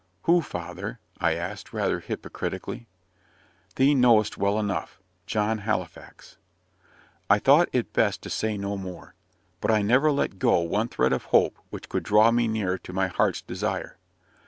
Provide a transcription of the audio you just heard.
"Who, father?" I asked, rather hypocritically. "Thee knowest well enough John Halifax." I thought it best to say no more; but I never let go one thread of hope which could draw me nearer to my heart's desire.